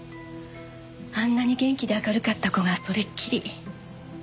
あんなに元気で明るかった子がそれっきり。